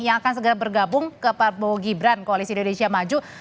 yang akan segera bergabung ke prabowo gibran koalisi indonesia maju